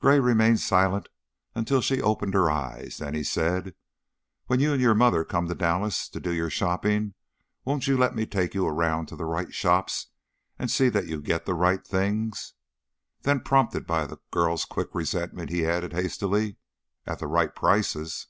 Gray remained silent until she opened her eyes; then he said: "When you and your mother come to Dallas to do your shopping, won't you let me take you around to the right shops and see that you get the right things?" Then, prompted by the girl's quick resentment, he added, hastily, " at the right prices?"